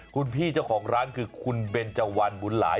คุณพี่เจ้าของร้านคือคุณเบนเจาันบุญหลาย